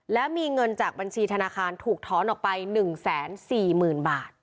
และมีเงินจากบัญชีธนาคารถูกถอนออกไป๑๔๐๐๐บาท